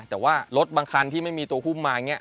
แต่ว่ารถบางคันที่ไม่มีตัวหุ้มมาอย่างนี้